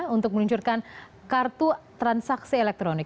untuk meluncurkan kartu transaksi elektronik